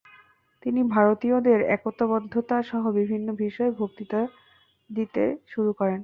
তিনি ভারতীয়দের একতাবদ্ধতা-সহ বিভিন্ন বিষয়ে বক্তৃতা দিতে শুরু করেন।